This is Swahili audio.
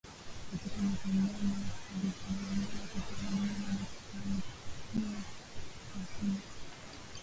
katika mapambano walipovamia ardhi ya buha na kufanikiwa pakubwa